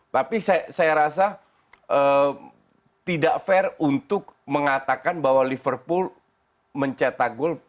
tapi saya rasa tidak fair untuk mengatakan bahwa liverpool mencetak gol